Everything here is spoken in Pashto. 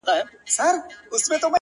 ژوند مي د هوا په لاس کي وليدی؛